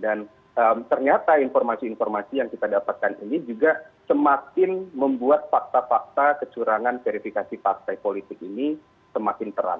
dan ternyata informasi informasi yang kita dapatkan ini juga semakin membuat fakta fakta kesurangan verifikasi partai politik ini semakin terang